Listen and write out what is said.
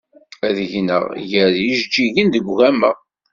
Ad gneɣ gar yijeǧǧigen deg ugama.